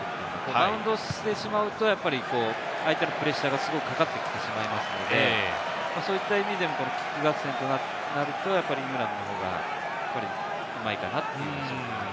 バウンドしてしまうと相手のプレッシャーがすごくかかってきてしまいますので、そういった意味でも、キック合戦となると、イングランドの方がうまいかなという。